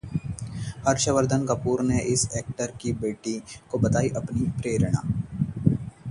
हर्षवर्द्धन कपूर ने इस एक्टर की बेटी को बताई अपनी प्रेरणा!